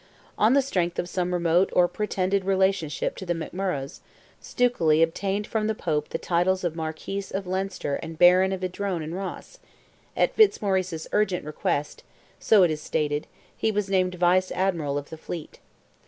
On the strength of some remote or pretended relationship to the McMurroghs, Stukely obtained from the Pope the titles of Marquis of Leinster and Baron of Idrone and Ross; at Fitzmaurice's urgent request—so it is stated—he was named Vice Admiral of the fleet.